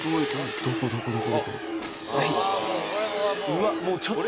「うわっ！